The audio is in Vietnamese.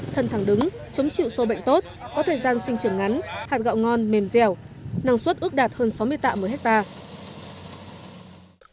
thân thẳng đứng chống chịu sâu bệnh tốt có thời gian sinh trưởng ngắn hạt gạo ngon mềm dẻo năng suất ước đạt hơn sáu mươi tạ một hectare